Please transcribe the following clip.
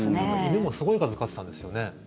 犬もすごい数、飼ってたんですよね。